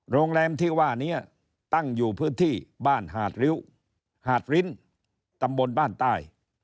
โรงแรมที่ว่านี้ตั้งอยู่พื้นที่บ้านหาดริ้วหาดริ้นตำบลบ้านใต้